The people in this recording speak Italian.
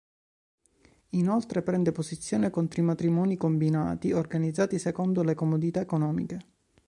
Inoltre prende posizione contro i matrimoni combinati, organizzati secondo le comodità economiche.